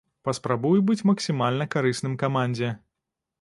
Паспрабую быць максімальна карысным камандзе.